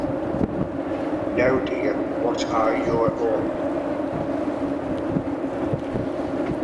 Now, dear, what are your own?